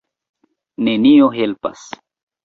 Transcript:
Nenio helpas.